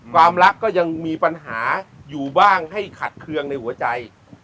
ความรักก็ยังมีปัญหาอยู่บ้างให้ขัดเคืองในหัวใจ